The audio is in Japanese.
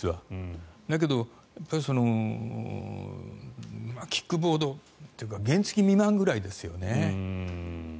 だけど、キックボードというか原付き未満ぐらいですよね。